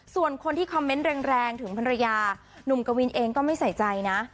ส่วนคนที่คอมเมนต์แรงถึงภรรยาหนุ่มกวินเองก็ไม่ใส่ใจนะ